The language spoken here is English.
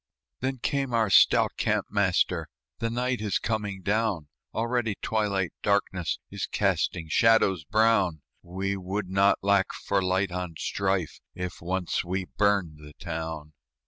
Then came our stout camp master, "The night is coming down; Already twilight darkness Is casting shadows brown; We would not lack for light on strife If once we burned the town."